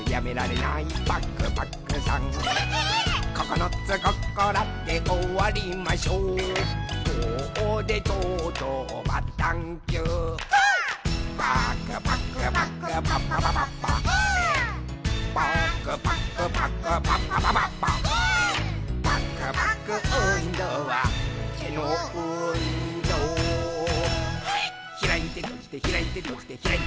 「ひらいてとじてひらいてとじてひらいてひらいてひらいて」